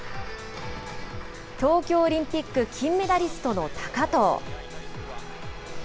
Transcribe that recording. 東京オリンピック金メダリストの高藤。